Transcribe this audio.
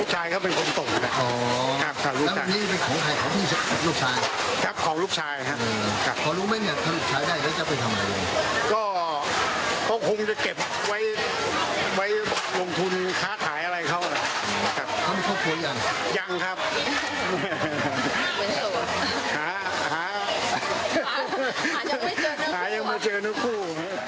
หายังมาเจอนุกคู่